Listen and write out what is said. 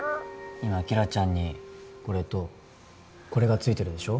今紀來ちゃんにこれとこれがついてるでしょ？